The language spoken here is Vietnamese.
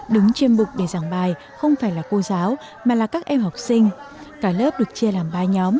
đứng trên bục để giảng bài không phải là cô giáo mà là các em học sinh